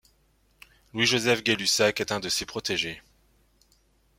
Louis Joseph Gay-Lussac est un de ses protégés.